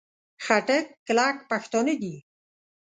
خټک کلک پښتانه دي.